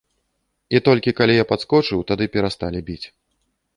І толькі калі я падскочыў, тады перасталі біць.